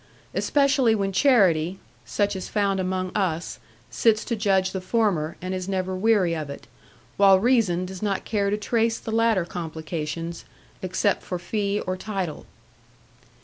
Especially when charity (such as found among us) sits to judge the former, and is never weary of it; while reason does not care to trace the latter complications, except for fee or title.